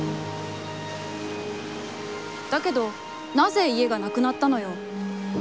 「だけど、なぜ家がなくなったのよ？」